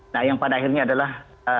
nah yang pada akhirnya adalah